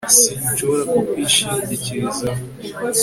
Sinshobora kukwishingikirizaho